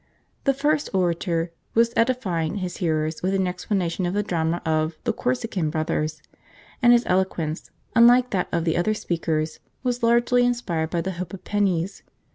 The first orator was edifying his hearers with an explanation of the drama of The Corsican Brothers, and his eloquence, unlike that of the other speakers, was largely inspired by the hope of pennies.